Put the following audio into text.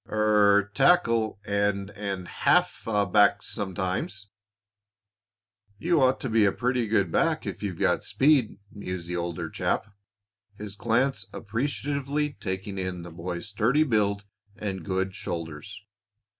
"Er tackle, and and half back sometimes." "You ought to be a pretty good back if you've got speed," mused the older chap, his glance appreciatively taking in the boy's sturdy build and good shoulders.